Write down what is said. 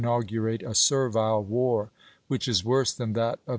^' augurate a servile war, which is worse than that of Rf'corfi.'